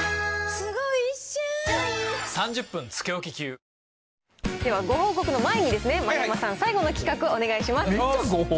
池川君、ではご報告の前に、丸山さん、最後の企画、お願いします。